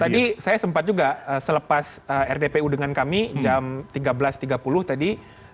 tadi saya sempat juga selepas rdpu dengan kami jam tiga belas tiga puluh tadi